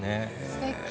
すてき！